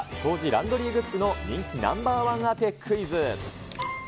・ランドリーグッズの人気ナンバー１当てクイズ。